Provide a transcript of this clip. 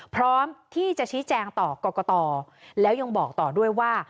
พร้อมที่จะชี้แจงต่อกรกตแล้วยังบอกต่อด้วยว่า